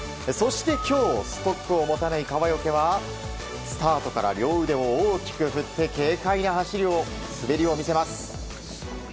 そして今日ストックを持たない川除はスタートから両腕を大きく振って軽快な滑りを見せます。